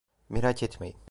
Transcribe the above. Merak etmeyin.